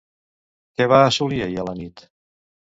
Què va assolir ahir a la nit?